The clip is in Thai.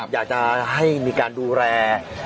อยากจะให้มีการดูแล